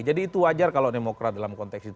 jadi itu wajar kalau demokrat dalam konteks itu